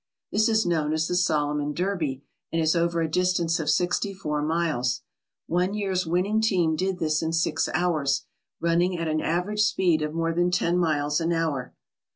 This is known as the Solomon Derby and is over a distance of sixty four miles. One year's winning team did this in six hours, running at an average speed of more than ten miles an hour.